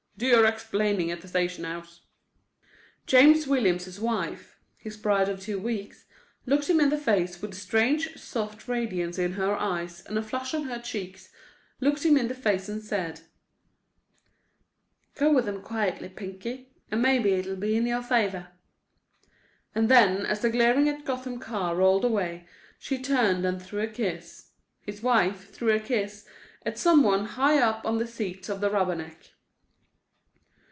Do your explaining at the station house." James Williams's wife—his bride of two weeks—looked him in the face with a strange, soft radiance in her eyes and a flush on her cheeks, looked him in the face and said: "Go with 'em quietly, 'Pinky,' and maybe it'll be in your favour." And then as the Glaring at Gotham car rolled away she turned and threw a kiss—his wife threw a kiss—at some one high up on the seats of the Rubberneck.